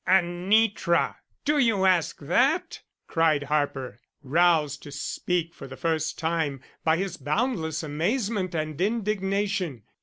"Anitra? Do you ask that?" cried Harper, roused to speak for the first time by his boundless amazement and indignation.